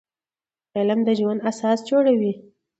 علم د ژوند اساس جوړوي